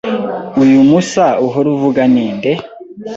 Uyu Musa uhora uvuga ni nde?